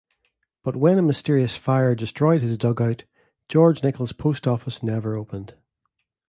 But when a mysterious fire destroyed his dugout, George Nickel's post office never opened.